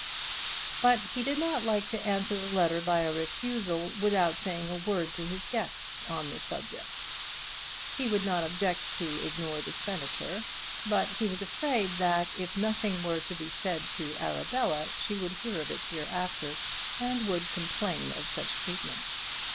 But he did not like to answer the letter by a refusal without saying a word to his guests on the subject. He would not object to ignore the Senator, but he was afraid that if nothing were to be said to Arabella she would hear of it hereafter and would complain of such treatment.